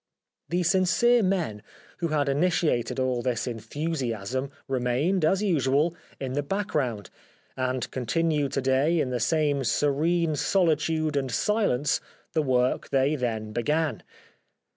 The sincere men who had initiated all this enthusiasm remained, as usual, in the background, and continue to day in the same serene solitude and silence the work they then began.